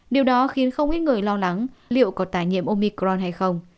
điều đó khiến không ít người lo lắng liệu có tài nhiễm omicron hay không